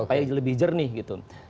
supaya lebih jernih gitu